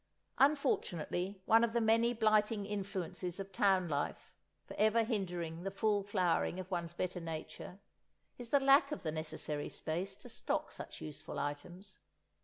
Unfortunately one of the many blighting influences of town life, for ever hindering the full flowering of one's better nature, is the lack of the necessary space to stock such useful items.